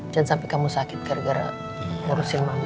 jangan sampai kamu sakit gara gara ngurusin mami